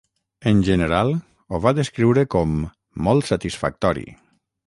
En general ho va descriure com "molt satisfactori".